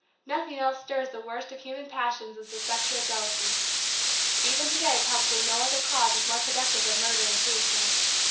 Nothing else stirs the worst of human passions as does sexual jealousy. Even to day probably no other cause is more productive of murder and suicide.